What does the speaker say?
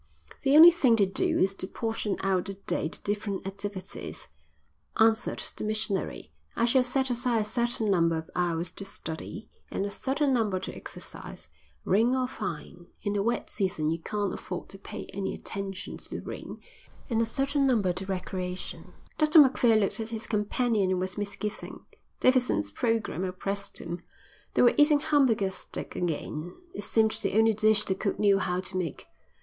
"The only thing to do is to portion out the day to different activities," answered the missionary. "I shall set aside a certain number of hours to study and a certain number to exercise, rain or fine in the wet season you can't afford to pay any attention to the rain and a certain number to recreation." Dr Macphail looked at his companion with misgiving. Davidson's programme oppressed him. They were eating Hamburger steak again. It seemed the only dish the cook knew how to make.